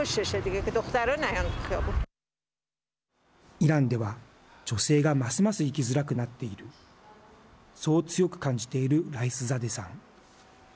イランでは女性がますます生きづらくなっているそう強く感じているライスザデさん。